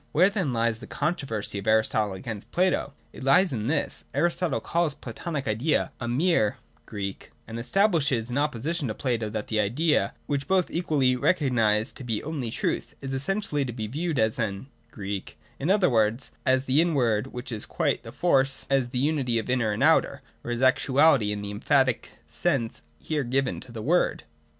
Where then lies the controversy of Aristotle against Plato ? It lies in this. Aristotle calls the Platonic idea a mere Sivcfus, and estab lishes in opposition to Plato that the idea, which both equally recognise to be the only truth, is essentially to be viewed as an evepyaa, in other words, as the inward which is quite to the fore, or as the unity of inner and outer, or as actuality, in the emphatic sense here given to the word.